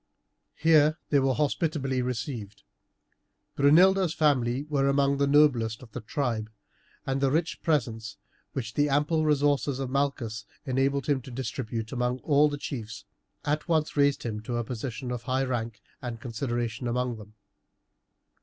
Here they were hospitably received. Brunilda's family were among the noblest of the tribe, and the rich presents which the ample resources of Malchus enabled him to distribute among all the chiefs, at once raised him to a position of high rank and consideration among them.